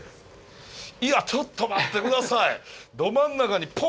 いやちょっと待って下さい！